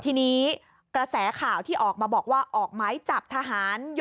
ทีนี้กระแสข่าวที่ออกมาบอกว่า